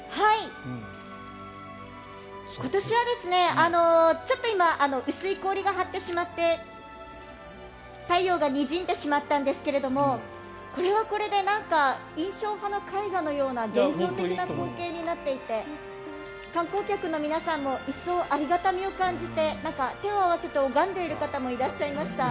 今年はちょっと今薄い氷が張ってしまって太陽がにじんでしまったんですがこれはこれで印象派の絵画のような幻想的な光景になっていて観光客の皆さんも一層ありがたみを感じて手を合わせて拝んでいる方もいらっしゃいました。